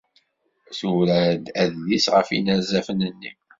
Tura-d adlis ɣef yinerzafen-nni.